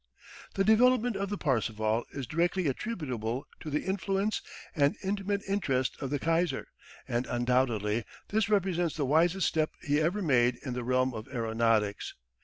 The development of the Parseval is directly attributable to the influence and intimate interest of the Kaiser, and undoubtedly this represents the wisest step he ever made in the realm of aeronautics.